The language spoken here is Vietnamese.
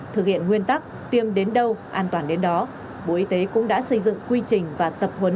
thực hiện nguyên tắc tiêm đến đâu an toàn đến đó bộ y tế cũng đã xây dựng quy trình và tập huấn